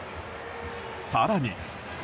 更に。